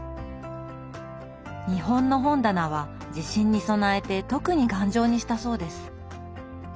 日本の本棚は地震に備えて特に頑丈にしたそうです。